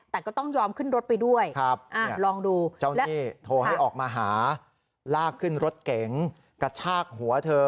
แต่ก็ต้องยอมขึ้นรถไปด้วยลองดูเจ้าหนี้โทรให้ออกมาหาลากขึ้นรถเก๋งกระชากหัวเธอ